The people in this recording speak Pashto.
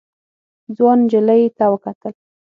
ځوان نجلۍ ته وکتل.